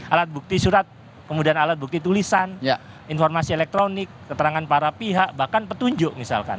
alat bukti surat kemudian alat bukti tulisan informasi elektronik keterangan para pihak bahkan petunjuk misalkan